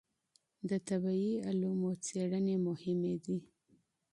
د طبعي علومو څېړنې مهمې دي.